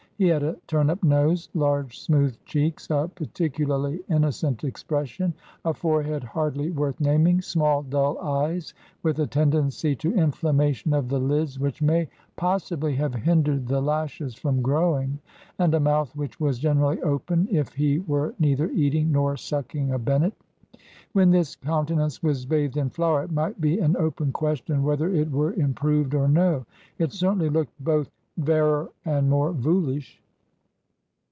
He had a turn up nose, large smooth cheeks, a particularly innocent expression, a forehead hardly worth naming, small dull eyes, with a tendency to inflammation of the lids which may possibly have hindered the lashes from growing, and a mouth which was generally open, if he were neither eating nor sucking a "bennet." When this countenance was bathed in flour, it might be an open question whether it were improved or no. It certainly looked both "vairer" and more "voolish!"